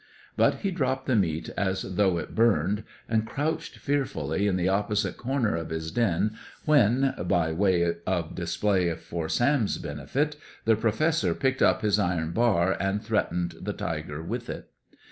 But he dropped the meat as though it burned, and crouched fearfully in the opposite corner of his den, when by way of display for Sam's benefit the Professor picked up his iron bar and threatened the tiger with it.